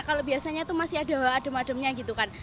kalau biasanya itu masih ada adem ademnya gitu kan